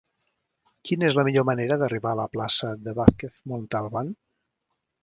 Quina és la millor manera d'arribar a la plaça de Vázquez Montalbán?